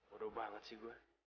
udah banget sih gue